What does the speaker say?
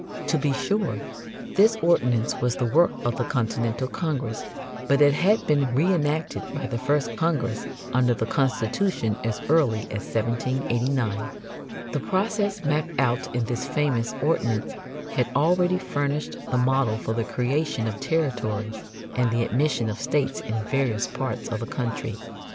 To be sure, this ordinance was the work of the Continental Congress, but it had been re enacted by the first Congress under the Constitution as early as 1789. The process mapped out in this famous ordinance had already furnished the model for the creation of territories and the admission of states in various parts of the country.